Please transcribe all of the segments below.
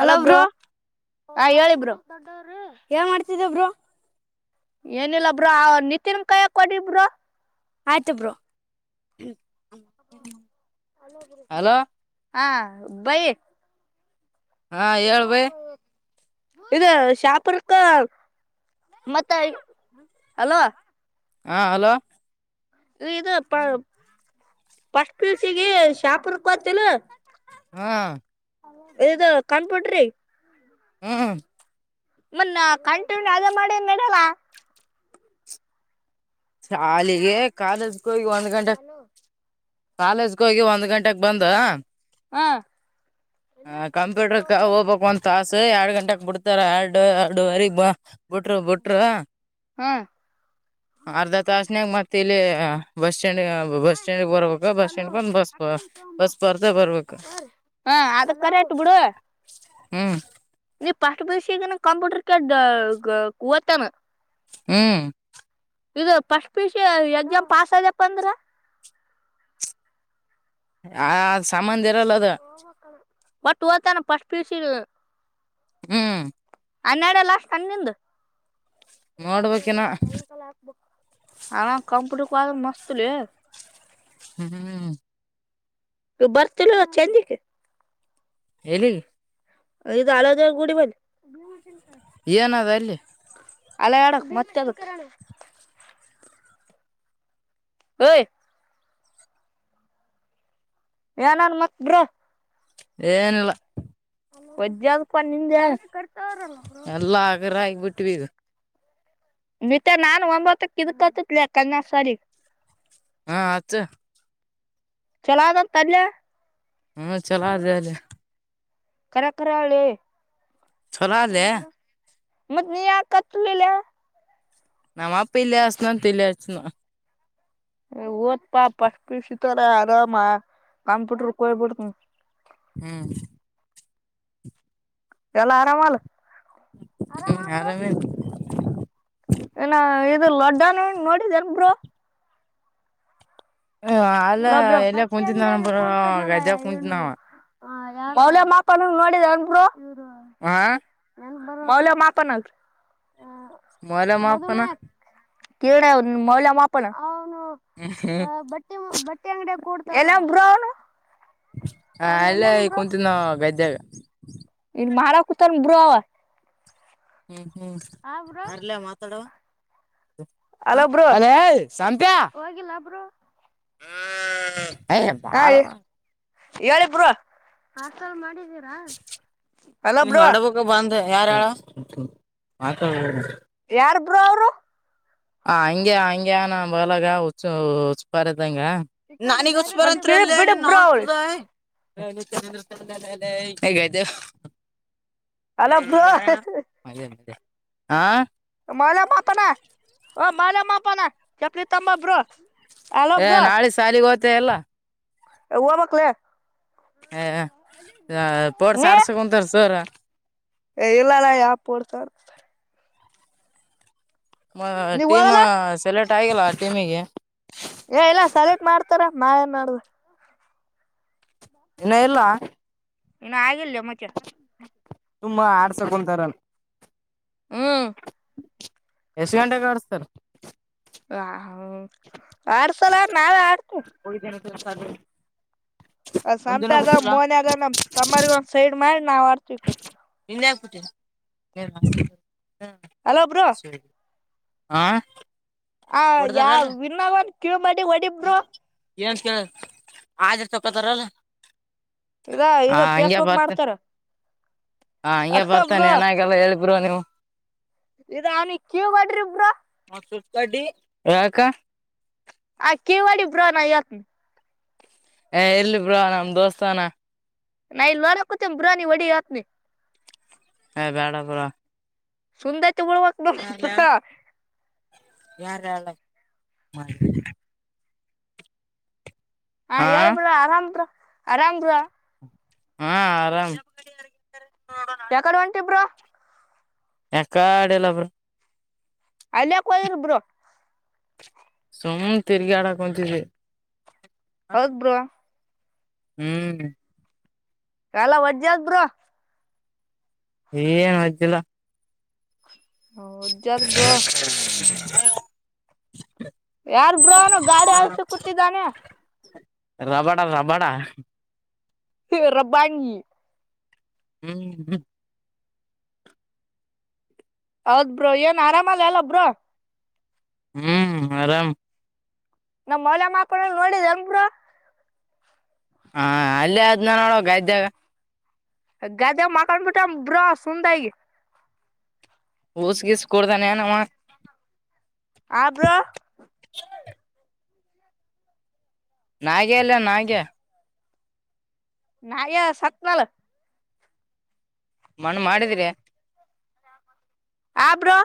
Hello bro ಹಾ ಹೇಳಿಬರು ಯಾವ ಮಾಡ್ತಿದಬ್ರು ಏನಿಲ್ಲಬ್ರಾ ಆ ನಿತಿನ್ ಕಾಯಕ್ ಕೊಡಿಬ್ರ. ಆಯ್ತಬ್ರು. ಅಲೋಗ ರಸ್ಕ ಹಾ ಬೈ. ಹಾ ಹೇಳೇಳ್ಬೇಕ ಇ ಶಾಪುರ್ಕ್ಕ ಮತ್ತ ಅಲ್ವಾ ಹಾ ಹಲೋ ಈ ಇದು ಪ ಪಸ್ ಪೀಲ್ಸಿಗೆ ಶಾಪರ್ ಕತಿಲ್ಲ ಹಾ ಇದು ಕಂಪ್ಯೂಟರಿ. ಹ್ಮ್ ಮನ್ನ ಕಂಟಿನ್ಯೂ ಅದ ಮಾಡಿ ಹಂಗಡಲ್ಲ ಶಾಲೆಗೆ ಕಾಲ. ಕೊ ಒಂದು ಗಂಟೆ ಕಾಲೇಜ್ಗೆ ಹೋಗಿ ಒಂದ್ ಗಂಟೆಗೆ ಬಂದ. ಹಾ. ಹ ಕಂಪ್ಯೂಟರ್ ಹೋಗ್ಬೇಕಕ್ ಒಂತ ಆಸ ಎರಡು ಗಂಟಕ್ ಬಿಡ್ತಾರ ಎರಡು ಎರಡುುವರೆ ಬಿಟ್ರು ಬಿಟ್ರು ಹಾ ಅರ್ಧ ತಾಸನಯಾಗ ಮತ್ತ ಇಲ್ಲಿ ಹಾ ಬಸ್ ಸ್ಟಂಡ್ ಬಸ್ ಸ್ಟ್ಯಾಂಡ್ ಬರ್ಬೇಕ ಬಸ್ ಸ್ಟ್ಯಾಂಡ್ ಒಂದ್ ಬಸ್ ಬಸ್ ಪರ್ತೆ ಬರ್ಬೇಕ ಕರ ಎಂಟು ಬುಡೋ ಹ್ಮ್ ನೀ ಪಾಸ್ ಪಷ ಈಗ ನ ಕಂಪ್ಯೂಟರ್ ಕ ಕೂವತಾನ. ಹ್ಮ್ ಇದು first P C exam pass ಐದ್ಯಪ್ಪ ಅಂದ್ರ ಆ ಸಂಬಂಧ ಇರಲ್ಲ ಅದ. ಒಟ್ಟ ಓದತಾನ ಪಸ್ಟ್ ಪಿ ಯು ಸಿ ಹ್ಮ್ ಹನ್ನಡೆ ಎಲ್ಲಷ್ಟ ತಂದ ನಿಂದು [inaudible] ನೋಡ್ಬೇಕಿನ ಲ್ಲ ಹ ಕಂಪ್ಯೂಟರ್ ಕಾಗ ಮಸ್ತಲ್ಲ ಹ್ಮ್ ಬರ್ತಿಲ ಚೆಂದಕ್ಕೆ ಹೇಳಿ ಇದು ಆಲದ ಗುಡಿ ಬಲ್ಲಿ ಏನದ ಅಲ್ಲಿ. ಅಲ್ಲ ಎಡಕ್ ಮತ್ತೆ ಅದಕ್. ಹೋ [inaudible] ಏನನ್ ಮಕ್ ಬ್ರೋ ಏನಲ್ಲ. ಒ್ದಾವದು ಪನ್ನಿಂದ ಯಲಾಗರಾ ಯಬಟ್ಟ ಟ್ವಿದು ಮತ್ತ ನಾನು ಒಂಬತ್ತ ಕಿರ್ತತಿದಲ ಕನ್ನಯ ಸರಿ ಹಾ ಅಚ್ಚ ಚಲೋದ ತನ್ನಯ ಹ್ಮ ಚಲದೆ. ಕರಕರಾಳ ಚಲ ಅಡ್ಲೆ ಮತ್ತ ನೀ ಯ ಕತ್ ಇಲ್ಲ ನಮ್ಮ ಅಪ್ಪ ಇಲ್ಲಾಸನಂತಲ್ಲಿಯಾಚನ ಓದ ಪಾ ಪ ಪಸತಾರ ಆರಾಮ ಕಂಪ್ಯೂಟರ್ಯ್ಬಿಡ್ತನ ಹ್ಮ್ ಎಲ್ಲ ಆರಾಮ ಅಲ್ಲ ಹ್ಮ್ ಆರಾಮೇ ಏನ ಇದು ಲಡ್ಡನ್ ನೋಡಿದನ್ಬರು. ಹ ಅಲ್ಲ ಲೋ ಬ್ರೋ ಎಲ್ಲ ಕುಂತೂ ನ ಬರ ಗದ್ಯ ಕುಂತಿದ್ ನಾವ ಹ ಮಾಪ ಅನ ನೋಡಿದ ಅನ್ರು ಹಾ ಮೌಲ್ಯ ಮಾಪನಲ್ ಮೌಲ್ಯ ಮಾಪನ ಕರಣ ಮೌಲ ಮಾಪನ ಹ್ಮ್ ಹ್ಮ್ [inaudible] ಬಟ್ಟೆ ಬಟ್ಟೆ ಅಂಗಡ ಕೊಡ್ತ ಎಲ್ಲ ಬ್ರನು ಹ ಎಲ್ಲೇ ಈ ಕುಂತಿದ್ದ ನಾವು ಗದ್ಯಾಗ ಹ್ಮ ಮರಾಕುತನ್ ಬ್ರೋ ಹ್ಮ್ ಹ್ಞೂ ಯಾರಲ್ಲ ಮಾತಾಡುವ ಹ ಅಲೋ ಬ್ರೋ ಅಲ ಶಂತ ಹ್ಮ್ ಯ ಹಾ ಬಾರ ಹೇಳಿ ಬ್ರೋ ಹ ಸರ್ ಅಲ ಬ್ರೋ ಯಾರಳ [unintelligible] ಯಾರ ಬ್ರೋ ಅವರು ಹ ಹಂಗೆ ಹಂಗಗೆ ನ ಬಲಗ ಹುಚ್ಚಪರ ನನಗ ಉಸ ಒಂದ್ ಬರಂತ ಕಿಳಿ ಅಲ್ಲ ಬಿಡಿ ನೀನ್ ನಾ ಬ್ರೋ ಅವ್ರಿ ಚುದ ಹಗಾಯ್ತು ಅಲೋ ಬ್ರೋ [unintelligible] ಯಾರ ಮೆ ಮೆ [unintelligible] ಹಾ ಮಾಲೆ ಮಾಪನ ಹ ಮಾಲೆ ಮಾಪನ ಚಪ್ಪಲಿ ತಮ್ಮಬ್ರು ನಾಳೆ ಸಾಲಿಗೆ ಹ ತಲ. ಹೆ ಹೋಗ್ಬೇಕಲೇ ಹ ಪಡ್ಸ ಆಡ್ಸಕೊಂತಾರ ಸರ್ ಇಲ್ಲಲ್ಲಾ ಯಾಪ್ಪಡ್ ಸಾರ ನೀವ್ ಟೀಮ್ ಹೋಗಲ್ಲ ಸೆಲೆಕ್ಟ್. ಆಗಲ್ಲ ಟಿಮಿಗೆ ಏ ಇಲ್ಲ ಸಲ್ೂಟ್ ಮಾಡ್ತಾರ ನಾ ಏನ್ ಮಾಡ್ದ ಇನ್ನ ಎಲ್ಲ ಇನ ಆಗಿಲ್ಲ ಮಚೆ. ತುಂಬಾ ಆಡ್ಸಕೊಂತಾರಲ್ಲ ಹ್ಮ್ ಎಷ್ಟು ಗಂಟೆಗೆ ಕಡ್ತಾರೆ ಆ ಹ ಆಡ್ಸಲ ನಾವೆ ಆಡ್ತೇ ದಸಾಲ. [inaudible] ಅ ಶಂತ ಆಗ ಮನ ಆಗ ತ ಸೈಡ್ ಮಾಡ ನಾವ್ ಆಡ್ತೀವಿ ನಿನ್ನೇ ಆಗ್ಬಿಟ್ಟೀ. ಹಾ ಅಲೋ ಬ್ರೋ ಸರಿ ಆ ಹ ಯಾವ ವಿನ್ನಾವ. ಕ ಮಾಡ ಬ [unintelligible] ಹೊಡಿ ಬ್ರೊ [unintelligible] ಏನ್ ಕೇಳ ಆರ್ ಚಕತ್ತಾರಲ್ಲ. [unintelligible] ಇದ ಇ ಪೇಸ್ಬಕ್ ಮಾಡ್ತಾರ [unintelligible] ಹಾ ಹಂಗೆ ಅಲ್ಲ ಬರ್ತಾನೆ ಬ್ರೋ ನನಾಗೆಲ್ಲ ಹೇಳ. ಇಬ್ ನೀವು [unintelligible] ಇದ ಅವನಿ ಕೇವ ಮಾಡ್ರಿ ಇಬ್ರ ಕಡಿ ರಕ ಆ ಕಿ ಹೊಡಿ ಬ್ರೋ ನಾ ಹೇಳುತ್ತೇನೆ [unintelligible] ಇರ್ಲಿ ಬ್ರಾ ನಮ್ ದೋಸ್ತಾನ [unintelligible] ನಾ ಇಲ್ ನರಕತ ಬುರ ನೀ ಒಡಿ ಹೇಳ್ತೀನಿ ಹ ಬೇಡ ಬ್ರೊ. ಸುಂದರ್ [unintelligible] ವಕ್. [unintelligible] ಯಾರಲ್ಲ [unintelligible] ಮಾಡ ಹಾ ಹೇಳಬ್ರ ಆರಾಮ್ರ. ಆರಾಮ ರ ಹಾ ಆರಾಮ [unintelligible] ಯಾಕಡೆ ಹೊಂಟಿ ಬ್ರೋ ಎಕಾಡೆ ಎಲ್ಲ ಬರ [unintelligible] ಅಲ್ಯಕೋಗಿರ್ಬ್ರು. ಸುಮ್ ತಿರ್ಗಿ ಆಡಕಂತೀವಿ [unintelligible] ಹೌದ ಬ್ರ. ಹ್ಮ್ ಕಲ್ಲ ಒಜಜತ್ ಬುರೋ. ಏನ್ ಹ್ದಿಲ್ಲ ಹಜ್ಜತ್ ಬ್ರೋ [unintelligible] ಹ [unintelligible] ಯಾರ್ ಬ್ರೋನು ಗಾಡಿ ಅಷ್ಟು ಕೂತಿದ್ದಾನೆ [unintelligible] ರಬಡ ರಬಡಾ [unintelligible] ಹ ರಬಿ [unintelligible] ಹ್ಮ್ ಹ್ಮ. ಹೌದ್ ಬ್ರೋ ಏನ್ ಆರಾಮಲ್ಲ ಅಲ್ಲ ಬ್ರ. ಹ್ಮ್ ಆರಾಮ. ನಮ್ಮ್ ಮಲೆ ಮಾಕ್ಕನ ನೋಡಿದ ಎುರ ಹಾ ಅಲ್ಲೇ ಆದ್ನ ನೋಡುವ ಗ ಇದ್ದ್ಯಾಗ [unintelligible] ಗಾದ್ದೆಗ ಮಕಂಡ ಗಟ ಬುರ ಸುಂದ ಹುಸ್ ಗಿಸ್ ಸ್ಕೋಡ್ತಾನೆ ಅವ [unintelligible] ಆಬ್ರ. [unintelligible] ನಾಗೆ ಎಲ್ಯ [unintelligible] ನಾಗೆ ನಾಯ ಸತ್ಲಲ ಮಣ್ಣು ಮಾಡಿದ್ರೆ. ಆ ಬ್ರೋ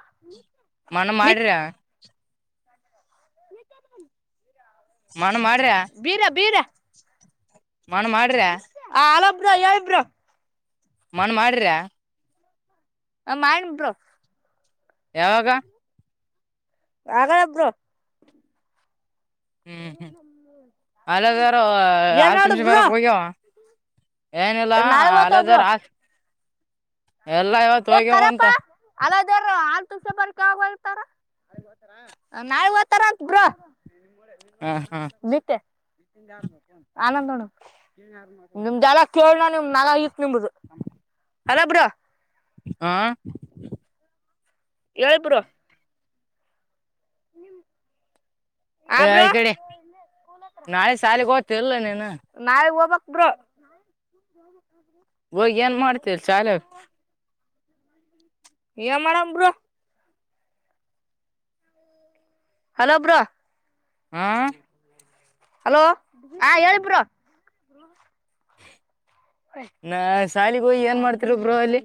ಮಣ ನಿತ್ ಮಾಡ್ರ. ಮಣ್ಣು ಬೀರ ಬೀರ. ಮಣ ಮಾಡ್ರ ಹಲೋ ಬ್ರೋ ಹೇಳಿ ಬ್ರೋ ಮನ್ ಮಾಡ್ರ. ಹ ಮಾಡ ಬ್ರ. ಯಾವಾಗ. ಅಗ ಎಬ್ರೋ. ಹ್ಮ್ ಹ್ಮ್ ಅಲ್ಲದಾರ ಏನ್ ಆರು ನೋಡು ನಿಮಿ್ಷ ಬ್ರೋ ಬರಕ್ ಹೋಗ್ಯವ ಏನಿಲ್ಲ ನಾಳೆ ಓದ್ತಾವ ಅಲ್ಲದಾರ ಬ್ರೋ ಆ. ಎಲ್ಲ ಇವತ್ತು ಹೋಗ್ಯವ ಅಂತ. ಬರ್ತಾರ ನಾವತಾರ ಬ್ರೋ ಹ ಹ ನಿತ್ತೆ. ಆನಂದಣ ನಿಮ್ದೆಳ ಕೇಳಣ ನಿಮ್ ನಳ ಇತ್ ನಿಂಬ್ದ ಅದ ಬ್ರೋ ಆ ಏಳು. ಬ್ರೋ ಆ ಹ ಬ್ರೋ ಈ ಕಡೆ ನಾಳೆ ಶಾಲೆಗೆ ಹೋ. ಇಲ್ಲ ನಾಳೆ ಹೋಗ್ಬೇಕು ಬ್ರೊ. ಹೋಗಿ ಏನ್ ಮಾಡ್ತರಿ ಚಾಲೆ. ಏನ್ ಮಾಡಮ್ ಬ್ರೋ ಹಲೋ ಬ್ರೋ. ಹಾ. ಹಲೋ ಹಾ ಹೇಳಿ ಬ್ರೋ ನಾ ಶಾಲಿಗ ಹೋಗಿ ಏನ್ ಮಾಡ್ತಿರ ಬ್ರೋ ಅಲ್ಲಿ.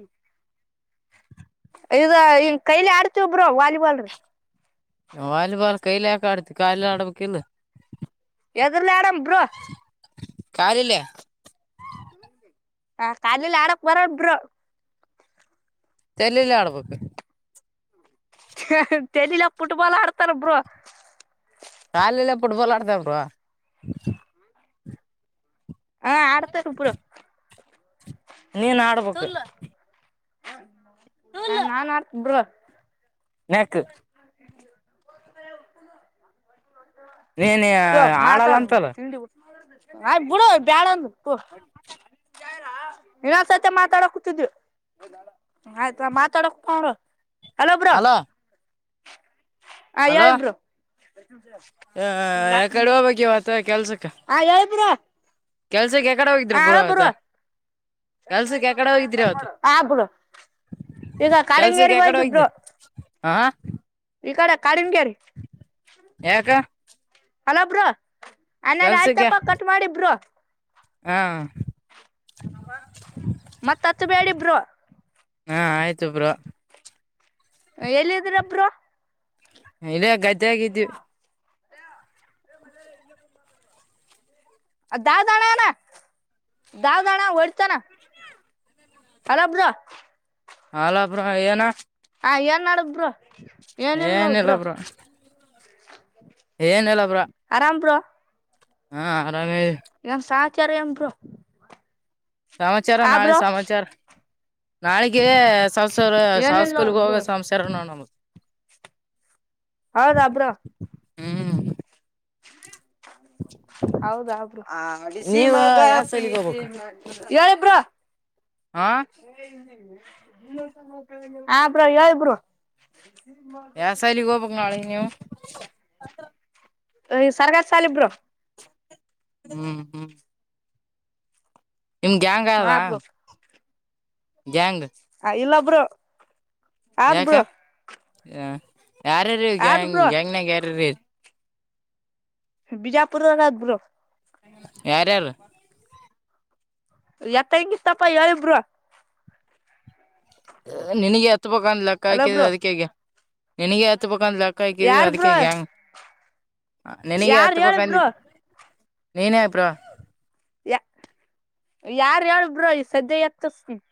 ಇ ಈನ್ ಕೈಲಿ ಆಡ್ತಿ ಬ್ರೋ ವಾಲಿ ಬ್ರೋ. ವಾಲಿಬಾಲ್ ಕೈಲಕ ಆಡ್ತಿ ಕಾಯಿ ಆಡಬೇಕ ಇಲ್ಲ. ಎದುರ್ದ ಆರಾಮ ಬೋ. ಕಾಲಲ್ಲಿ ಹ ಕಾಲಲೆಲ್ಲಿ ಆಡಕ್ ಬರಲ್ಲ ಬ್ರೋ ತೆಲ್ಲಿಲ್ಲ ಅಡ ಬುಕ್ಕೆ. ಚಲಲ ಪುಟ್ಬಾಲ್ ಆಡ್ತಾರಬರು. ಕಾಲಲ್ಲ ಪಡು ಬೋಲ ಆಡ್ತ ಬ್ರೋ ಹಾ ಆಡ್ತ ಒಬ್ರು ನೀನ್ ಆಡ್ಬೇಕ. ನಾನ್ ಆಡ್ತ ಬಿ್ರ. ಹ. [unintelligible] ನಕ್ು. ನೀನ್ ತ ಆಡಲ್ಲ ಮಾತಾಡ ಅಂತಲ್ಲ ತಿಂಡಿ ಆ್ ಬುಡ ಬ್ಯಾಡಂದು ತ ನಿನ್ನಸತೆ ಮಾತಾಡಕ್ತಿದ ಆಯ್ತವಾ ಮಾತಾಡಕ್ ಪಳ. ಹಲೋ ಬ್ರೋ ಅಲೋ ಹ ಹೇಳು ಬ್ರೋ ಹ ಯ ಕಡುವ ಬಗ್್ಯವತ ಕೆಲ್ಸ. ಹಾ ಹೇಳು ಬ್ರೋ ಕೆಲ್ಸ ಕ. ಯಡೆ ಹೋಗಿದ್ರ ಹಾ ಪುರ ಹಲೋ ಆತ ಬ್ರೋ ಕೆಲ್ಸಕ್ಕೆ ಯಾಕಡೆ ಹೋಗಿದ್ರಿ ಆತ ಆ ಬ್ರೋ ಈಗ ಕೆಲ್ಸಕ್ಕೆ ಕಾಡಂಗೇರಿಗೆ ಯಾಕಡೆ ಹೋಯ್ದು ಹೋಗಿದ್ದೆ ಆ. ಇ ಕಡ. ಕಾಡಿನಿಂಗೇರಿ ಯಾಕ ಹಲಬ್ರಾ. ಅ್ಣನ್ ಕೆಲ್ಸಕ್ಕೆ ಆಯ್ತಪ್ಪ ಕಟ್ ಮಾಡಿಬ್ರ. ಹಾ. ಮತ್ತ ಹತ್ತು ಬೇಳಿ. ಬ್ರೋ. ಹಾ ಆಯ್ತುಬ್್ರ. ಎಲ್ಲಿದ್ರಬ್ಬರು. ಇಲ್ಲ ಗದ್ದೆ ಆಾಗಿದ್ವಿ. ದಾ ದಣಾನ ದಾ ದಣ ಹೊಡ್ತಾನ. ಹಲಬ್ರಾ. ಹಲ ಬ್ರೋ ಏನ. ಹ ಏನ್ ನಾಡ ಬ್ರ. ಏನಲ್ಲ ಬ್ರೋ ಏನಲಬ್ರ. ಆರಾಮ್ ಬ್ರೋ ಹ್ಮ. ನ. [unintelligible] ಚಾರ ಬ್ರೋ. ಸಮಾಚಾರ ಆ ನಾಳೆ ಬ್ರೋ ಸಮಾಚಾರ. ನಾಳೆ. ಏನಿಲ್ಲ ಸಸ್ಕಲ್ ನೋಡ್ ಹೋಗ ಬ್ರೋ ಸಂಸಾರ ನಮ. ಹೌದ ಬ್ರೋ. ಹ್ಮ್. ಹ್ಮ. ಹೌದಾ ಬ್ರೋ ಆ ಬೀಸಿ ನೀವು ಮಗ ಯಾವ ಸೈಲಿಗೆ ಪ್ರೀತಿ ಹೋಗ್ಬೇಕು ಯ ಹೇಳಿ ಬ್ರೋ. ಹಾ [inaudible] ಹ ಬ್ರ ಹೇಳಿ ಬ್ರ. ವ್ಯಾಸಾಯಿಲಿಗ ಹೋಗ್ಬಕ್ ನಾಳಗ ನೀವು ಈ ಸರ್ಗಾದ ಸಾಲಿಬ್ರು ಹ್ಮ್ ಹ್ಮ್. ನಿಮ್ಗೆಯಾಂಗ ಹಾ ಅದಾ ಬ್ರೋ ಗ್ಯಾಂಗ್ ಇಲ್ಲೊಬ್ರು ಆದ ಬ್ರೋ. ಹ. ಯಾರ್ರೀರಿ ಆದ್ ಗಂಗ್ ಬ್ರೋ ಗಂಗ್ನಾಗ್ ಯಾರ್ರೀ ಬಿಜಾಪುರದಬರು ಬ್ರೋ. ಯಾರ ಯಾರು. ಎತ್ತ ಹೆಂಗಿತ್ತಪ್ಪ ಹೇಳಿ ಬ್ರೋ. ನಿನಗೆ ಎತ್ತ ಬೇಕಂತ ಲೆಕ್ಕ ಹಲೋ ಹಾಕಿದೆ ಬ್ರೋ ಅದಕ್ಕೆಗೆ ನಿನಗೆ ಹತ್ತ ಬೇಕಂತ ಲೆಕ್ಕ ಹಾಕಿದು ಯಾರ್ ಅದಕ್ಕೆ ಬ್ರೋ ಗ್ಯಾಂಗ್ ಹ ನಿನಗೆ ಯಾರ್ ಹತ್ತ ಬ ಹೇಳಿ ಬ್ರೋ ಕಂದಿದ್ದ. ನೀನ ಬ್ರೋ. ಯ ಯಾರ್ ಹೇಳಬ್ರ ಈ ಸದ್ಯ ಎತ್ತಸತನ್ನ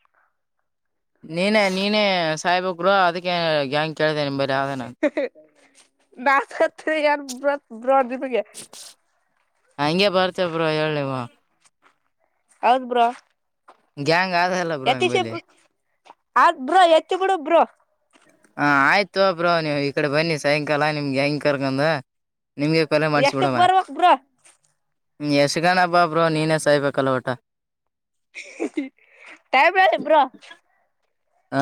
ನೀನೆ ನೀನೆ ಸಾಹೇಬ ಬ್ರೋ ಅದಕ್ಕೆ ಗ್ಯಾಂಗ್ ಕೇಳ್ದೇನೆ ನಿಂಬೆ ಆರಾಧನ [unintelligible] ಹ ಹೆಂಗೆ ಬರ್ತೇ ಬ್ರೋ ಹೇಳಿವ. ಹೌದ ಬ್ರೋ. ಗ್ಯಾಂಗ್ ಆದ ಅಲ್ಲ ಬ್ರೋ ನಿಂಬಲ್ಲಿ ಅತ್ ಬ್ರೋ ಎತ್ತಿ ಬಿಡು ಬ್ರೋ. ಹ ಆಯ್ತು ಬ್ರೋ ನೀವ ಈ ಕಡೆ ಬನ್ನಿ ಸಾಯಂಕಾಲ ನಿಮ್ಗೆ ಹೆಂಗ್ ಕರ್ಕಂದ ಎಷ್ಟಕ್ ಬರ್ಬೇಕ ಬ್ರೋ. ನೀ ಯಶಗಣ ಬಾ ಬ್ರೋ ನೀನ ಸಾಯ್ಬೇಕಲ್ಲ ಒಟ್ಟ [inaudible] ಯಬಬ್ರಾ ಹ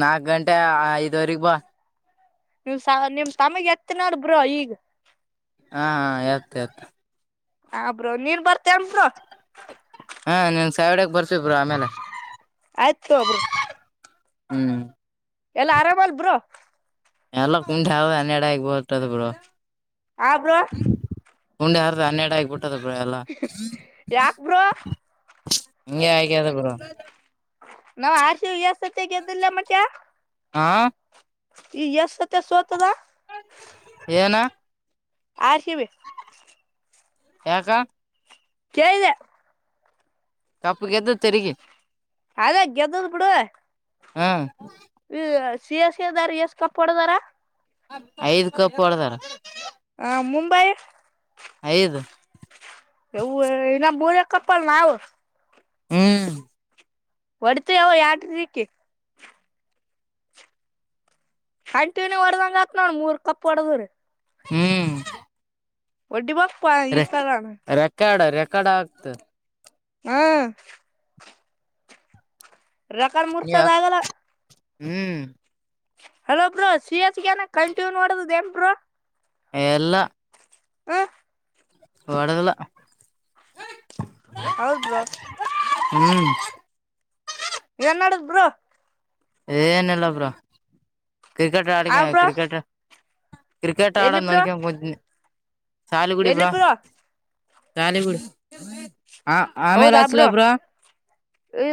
ನಾಕ್ ಗಂಟೆ ಐದುವರೆಗ ಬಾ ನೀವ್ ಸ ನಿಮ್ ತಮಗೆ ಎತ್ತ ನೋಡ್ ಬ್ರ ಈಗ ಹಾ ಆತ ಆತ ಆಬ್ರ ನೀನ್ ಬರ್ತೇನ್ ಬ್ರೋ ಹಾ ನೀನ್ ಸಾವಿಡಕ್ ಬರ್ಸ್ ಬ್ರೋ ಆಮೇಲೆ ಆಯ್ತು ಹ್ಮ್ ಎಲ್ಲಾ ಆರಾಮ ಅಲ್ ಬ್ರ ಎಲ್ಲ ಕುಂಟೆ ಹಾವ ಹನ್ನೆಡ ಆಗ ಹೊತಡ ಬ್ರೋ ಆ ಬ್ರೋ ಹು ಹರ್ದ ಹನ್ನೆರ ಆಬಟ್ಟು ಟ್ಟಲ್ಲ ಬ್ರೋ ಯಲ್ಲ ಯಾಕ್ ಬ್ರೋ ಹಗೆ ಆ ಅದ ಬ್ರೋ ನಾ ಹರ್ಶಿವಾಸತಿ ಗೆದಿಲ್ಲ ಮಚ ಆ ಈ ಎಷ್ಟ ಸತ್ಯ ಸೋತದ ಏನ ಆರ್ ಸಿ ಬಿ ಯಾಕ ಕೇಳಿದೆ ಕಪ್ಪುಗೆದ್ದು ತಿರಿಗಿ ಅದಗೆದ್ದ ಬಿಡುವ ಹ್ಮ್ ಹ ಸ ಸಿದಾರ ಎಷ್ಟಸ್ ಕಪ್ಪ ಹೊಡದಾರ ಐದ್ ಕಪ್ ಹೊಡದಾರ ಹಾ ಮುಂಬೈ ಐದ್ [inaudible] ಎವ ಇನ ಬೋಲ ಕಪ್ಪಲಾ ನಾವ ಹ್ಮ್ ಹೊಡ್ತ ಯಾವ ಯಾಕ್ರಿ ಕೀ ಹಂಟಿವಿನ ಹೊಡದಂಗಾಕ್ ನೋಡ ಮೂರ್ ಕಪ್ ಹೊಡದ್ರೀ ಹ್ಮ್ ಒಡ್ಡಿ ಬಾ ರ ರೆಕ್ಕಾಡ ರೆ ಕಡಾಕ್ತ ಹಾ ರಕಲ್ ನೀವ ಮುರ್ಸೋದ ಆಗಲ್ಲ ಹ್ಮ್ ಹಲೋ ಬ್ರೋ ಸಿಯಸ್ಗನ ಕಂಟ ನೋಡದದ ಏನ್ ಬೋ ಎಲ್ಲ ಹ ಹಡದಲ್ಲ [unintelligible] ಹೌದ್ ಬ್ರೋ ಹ್ಮ್ ಏನ್ಡದ್ ಬ್ರಾ ಏನಲ್ಲಬ್ರಾ ಕ್ರಿಕೆಟ್ ಆಡಿಕ ಆ ಬ್ರೋ ಕ್ರಿಕೆಟ್ ಕ್ರಿಕೆಟ್ ಆಡ ಎಲ್ಲಿ ಬ್ರೋ ನೋಡ್ಕ ಕೂತಿನಿ [unintelligible] ಶಲುಗುಡಿ ಎಲ್ಲಿ ಬಾ ಬ್ರೋ [unintelligible] ತಾಲಿಗು [unintelligible] ಡ್ ಹ ಆಮೇ ಹೌದಾ ರಚಲ ಬ್ರೋ ಬ್ರ ಈ